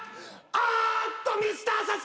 あっとミスターサスケ